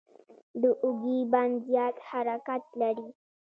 د اوږې بند زیات حرکت لري.